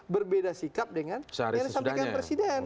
berbeda sikap dengan yang disampaikan presiden